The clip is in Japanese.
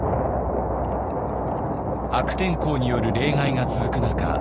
悪天候による冷害が続く中